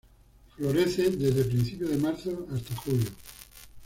Florece desde principios de marzo hasta julio.